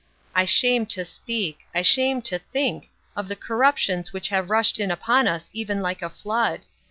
—I shame to speak—I shame to think—of the corruptions which have rushed in upon us even like a flood.